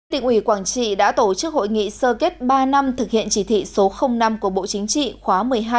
tỉnh ủy quảng trị đã tổ chức hội nghị sơ kết ba năm thực hiện chỉ thị số năm của bộ chính trị khóa một mươi hai